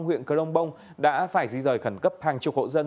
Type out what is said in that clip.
huyện cờ đông bông đã phải di rời khẩn cấp hàng chục hộ dân